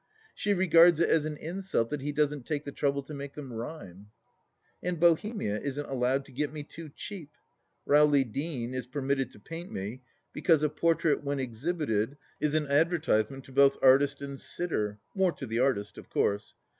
She regards it as an insult that he doesn't take the trouble to make them rhyme I And Bohemia isn't allowed to get me too cheap. Rowley Deane is permitted to paint me because a portrait when exhibited is an advertisement to both artist and sitter — ^more to the artist of course.